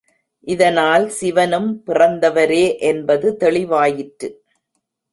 இதனால், சிவனும் பிறந்தவரே என்பது தெளிவாயிற்று.